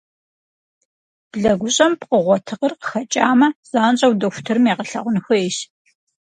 Блэгущӏэм пкъыгъуэ тыкъыр къыхэкӏамэ, занщӏэу дохутырым егъэлъэгъун хуейщ.